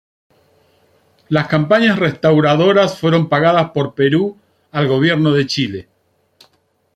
Las campañas restauradoras fueron pagadas por Perú al gobierno de Chile.